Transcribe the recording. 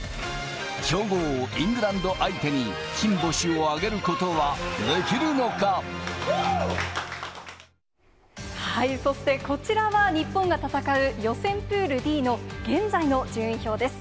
強豪イングランド相手に、そして、こちらは、日本が戦う予選プールＤの現在の順位表です。